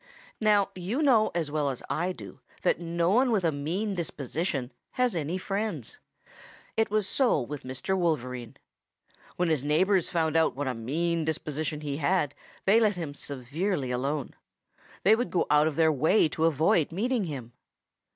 "Now you know as well as I do that no one with a mean disposition has any friends. It was so with Mr. Wolverine. When his neighbors found out what a mean disposition he had, they let him severely alone. They would go out of their way to avoid meeting him.